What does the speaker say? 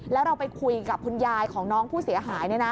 แล้วเราไปคุยกับคุณยายของน้องผู้เสียหาย